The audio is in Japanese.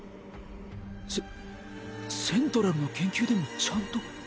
セセントラルの研究でもちゃんと。